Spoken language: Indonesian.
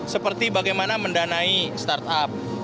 seperti bagaimana mendanai startup